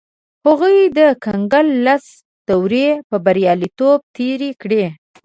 هغوی د کنګل لس دورې په بریالیتوب تېرې کړې.